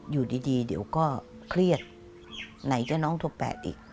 อยู่ดีเดี๋ยวก็เครียดไหนจะน้องโทรแปะอีก